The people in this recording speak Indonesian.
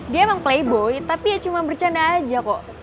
dia emang playboi tapi ya cuma bercanda aja kok